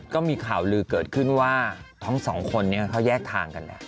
ก็มีข่าวลือเกิดขึ้นว่าทั้งสองคนนี้เขาแยกทางกัน